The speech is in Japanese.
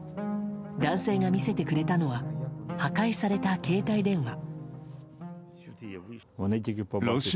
男性が見せてくれたのは破壊された携帯電話。